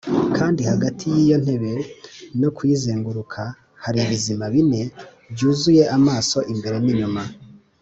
kandi hagati y’iyo ntebe no kuyizenguruka hari ibizima bine byuzuye amaso imbere n’inyuma.